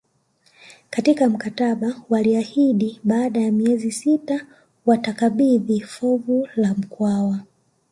Katika mkataba waliahidi baada ya miezi sita watakabidhi fuvu la Mkwawa